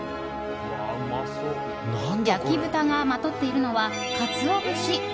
焼豚がまとっているのはカツオ節！